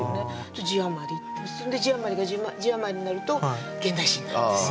字余りってそれで字余りが字余りになると現代詩になるんですよ。